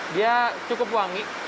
dia cukup wangi